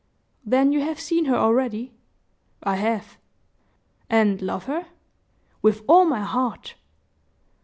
"Then you have seen her already?" "I have." "And love her?" "With all my heart!"